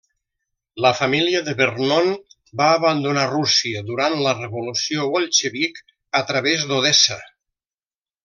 La família de Vernon va abandonar Rússia durant la revolució bolxevic, a través d'Odessa.